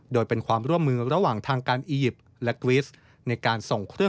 โดยเป็นความร่วมมือระหว่างทางการอียิปต์และกวิสต์